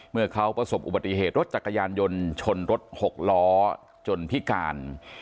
เมื่อเขาประสบอุบัติเหตุรถจักรยานยนต์ชนรถหกล้อจนพิการ